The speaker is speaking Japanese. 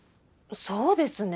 そうですね。